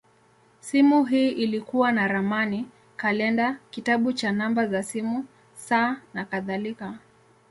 Simu hii ilikuwa na ramani, kalenda, kitabu cha namba za simu, saa, nakadhalika.